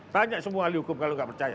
tanya semua ahli hukum kalau tidak percaya